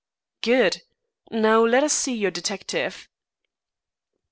"Good! Now let us see your detective."